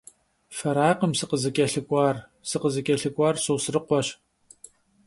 Ferakhım sıkhızıç'elhık'uar, sıkhızıç'elhık'uar Sosrıkhueş.